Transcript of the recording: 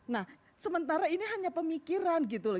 nah sementara ini hanya pemikiran gitu loh